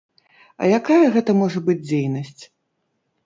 А якая гэта можа быць дзейнасць?